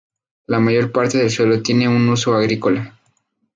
La mayor parte del suelo tiene un uso agrícola.